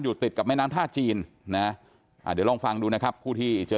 ติดกับแม่น้ำท่าจีนนะอ่าเดี๋ยวลองฟังดูนะครับผู้ที่เจอ